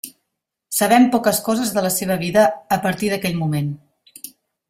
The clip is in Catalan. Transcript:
Sabem poques coses de la seva vida a partir d'aquell moment.